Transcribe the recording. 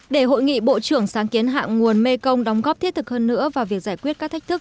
để hội nghị bộ trưởng sáng kiến hạ nguồn mekong đóng góp thiết thực hơn nữa vào việc giải quyết các thách thức